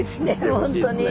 本当に。